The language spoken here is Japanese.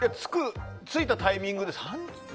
着いたタイミングで。